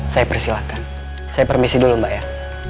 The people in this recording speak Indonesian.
saya persilahkan saya permisi dulu mbak ya